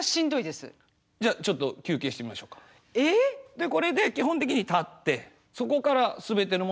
でこれで基本的に立ってそこから全ての物事が始まる。